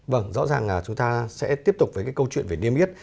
vâng rõ ràng là chúng ta sẽ tiếp tục với cái câu chuyện về niêm yết